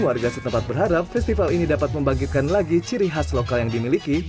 warga setempat berharap festival ini dapat membangkitkan lagi ciri khas lokal yang dimiliki